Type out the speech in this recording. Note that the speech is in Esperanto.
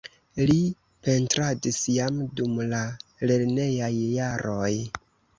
Li pentradis jam dum la lernejaj jaroj.